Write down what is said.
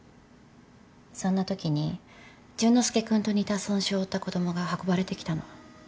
そんなときに淳之介君と似た損傷を負った子供が運ばれてきたの。